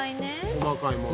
細かいもの。